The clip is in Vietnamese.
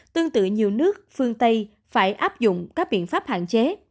tương tự nhiều nước phương tây phải áp dụng các biện pháp hạn chế